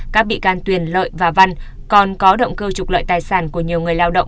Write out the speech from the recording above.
các bị can tuyền lợi và văn còn có động cơ trục lợi tài sản của nhiều người lao động